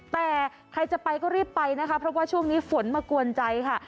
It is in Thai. แต่ใครจะไปก็รีบไปนะคะเพราะว่าช่วงนี้ฝนมากวนใจค่ะ